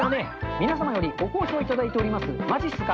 皆様よりご好評いただいておりますまじっすか。